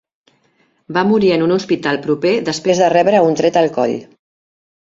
Va morir en un hospital proper després de rebre un tret al coll.